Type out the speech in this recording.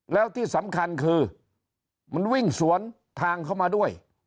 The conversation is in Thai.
แล้วที่สำคัญคือมันวิ่งสวนทางเข้ามาด้วย